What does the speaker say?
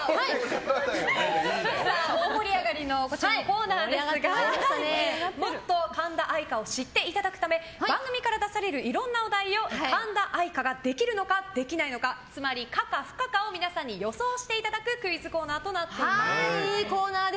大盛り上がりのこちらのコーナーですがもっと神田愛花を知っていただくため番組から出されるいろんなお題を神田愛花ができるのかできないのかつまり可か不可かを皆さんに予想していただくクイズコーナーとなっています。